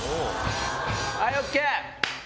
はいＯＫ！